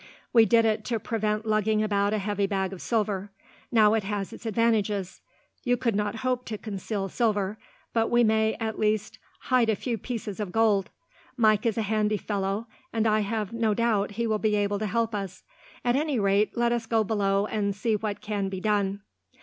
We did it to prevent lugging about a heavy bag of silver. Now, it has its advantages. You could not hope to conceal silver, but we may, at least, hide a few pieces of gold. Mike is a handy fellow, and I have no doubt will be able to help us. At any rate, let us go below and see what can be done."